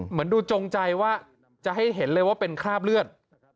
เหมือนดูจงใจว่าจะให้เห็นเลยว่าเป็นคราบเลือด